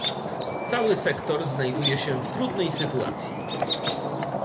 Cały sektor znajduje się w trudnej sytuacji